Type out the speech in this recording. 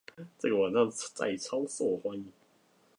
這個網站現在超受歡迎